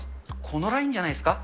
このラインじゃないですか？